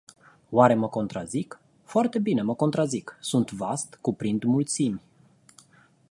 Oare mă contrazic? Foarte bine, mă contrazic. Sunt vast, cuprind mulțimi.